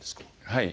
はい。